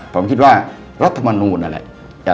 ผมคิดว่ารัฐมนูลนั่นแหละ